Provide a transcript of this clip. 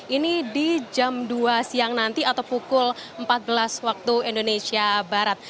ini di jam dua siang nanti atau pukul empat belas waktu indonesia barat